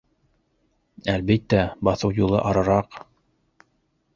Әлбиттә, баҫыу юлы арыраҡ.